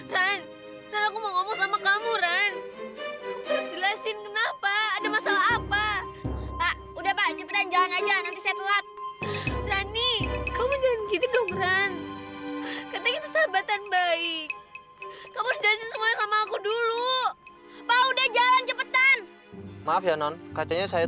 ran ran aku mau ngomong sama kamu ran